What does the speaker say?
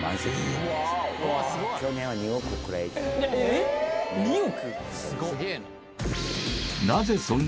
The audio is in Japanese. えっ２億？